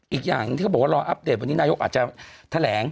อีกอย่างที่เขาบอกว่ารออัปเดตวันนี้นายกอาจจะแถลง